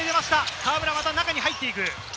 河村、また中に入っていく。